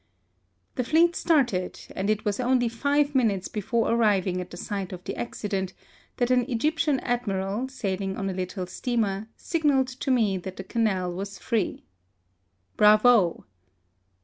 The fleet started, and it was only five minutes before arriving at the site of the accident that an Egyptian admiral, sailing on a little steamer, signalled to me that the Canal was free. (Bravo